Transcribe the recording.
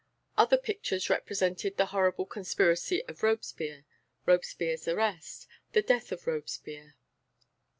Other pictures represented the Horrible Conspiracy of Robespierre, Robespierre's Arrest, The Death of Robespierre.